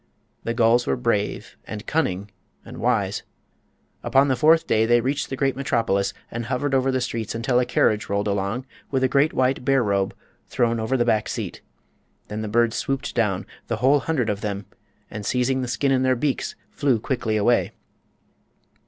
The gulls were brave, and cunning, and wise. Upon the fourth day they reached the great metropolis, and hovered over the streets until a carriage rolled along with a great white bear robe thrown over the back seat. Then the birds swooped down—the whole hundred of them—and seizing the skin in their beaks flew quickly away.